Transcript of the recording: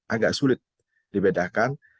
agak sulit dibedakan